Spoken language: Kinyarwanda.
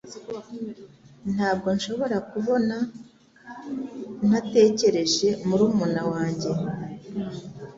Ntabwo nshobora kumubona ntatekereje murumuna wanjye.